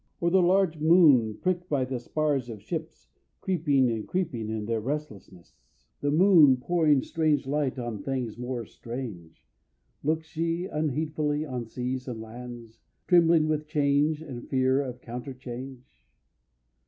Or the large moon (pricked by the spars of ships Creeping and creeping in their restlessness), The moon pouring strange light on things more strange, Looks she unheedfully on seas and lands Trembling with change and fear of counter change?